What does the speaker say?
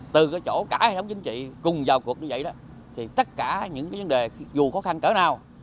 từ cái chỗ cả hệ thống chính trị cùng vào cuộc như vậy đó thì tất cả những vấn đề dù khó khăn cỡ nào